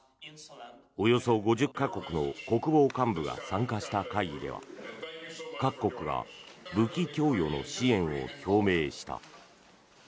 およそ５０か国の国防幹部が参加した会議では各国が武器供与の支援を表明した。